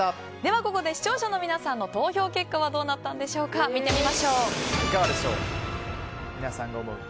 ここで視聴者の皆さんの投票結果はどうなったか見てみましょう。